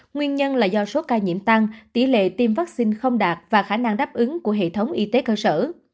nguyên nhân là do số ca nhiễm tăng tỷ lệ tiêm vaccine không đạt và khả năng đáp ứng của hệ thống y tế cơ sở